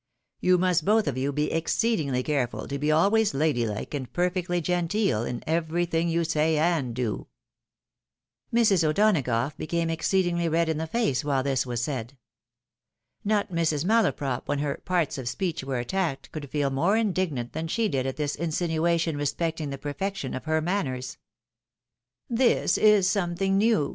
You must both of you be exceedingly careful to be always lady hke and perfectly genteel in everything you say and do." Mrs. O'Donagough became exceedingly red in the face while tliis was said. Not Mrs. Malaprop when her " parts of speech " were attacked, could feel more indignant than she did at this insinuation respecting the perfection of her manners. " This is something new